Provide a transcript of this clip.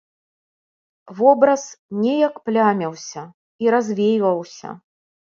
Вобраз неяк пляміўся і развейваўся.